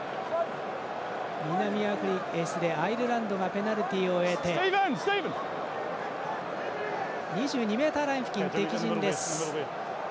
アイルランドがペナルティを得て２２ｍライン付近、敵陣です。